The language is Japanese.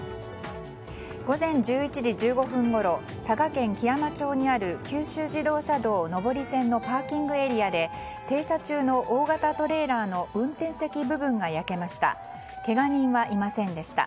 午前１１時１５分ごろ佐賀県基山町にある九州自動車道上り線のパーキングエリアで停車中の大型トレーラーの運転席部分が焼けました。